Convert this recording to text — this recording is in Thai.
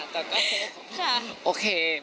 แต่ก็โอเคค่ะ